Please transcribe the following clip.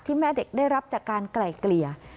แม่เด็กได้รับจากการไกล่เกลี่ย